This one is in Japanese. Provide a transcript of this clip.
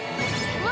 うわ！